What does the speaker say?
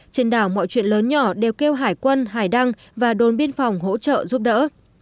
trên đảo mọi chuyện lớn nhỏ đều kêu hải quân hải đăng và đồn biên phòng hỗ trợ giúp đỡ